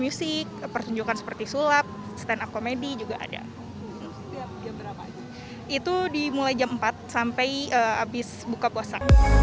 musik pertunjukan seperti sulap stand up komedi juga ada jam berapa itu dimulai jam empat sampai habis buka puasa